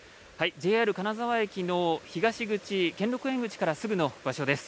ＪＲ金沢駅の東口、兼六園口からすぐの場所です。